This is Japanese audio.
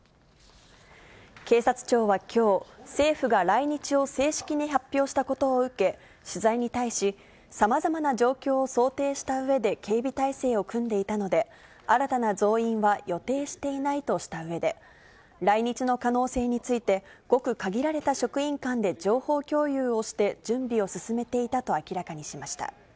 警察庁はきょう、政府が来日を正式に発表したことを受け、取材に対し、さまざまな状況を想定したうえで警備体制を組んでいたので、新たな増員は予定していないとしたうえで、来日の可能性について、ごく限られた職員間で情報共有をして準備を進めていたと明らかにしました。